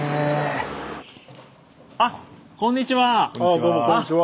あっこんにちは！